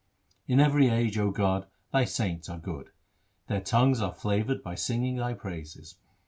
In every age, O God, Thy saints are good. Their tongues are flavoured by singing Thy praises.